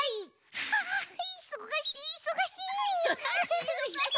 ああいそがしいいそがしい。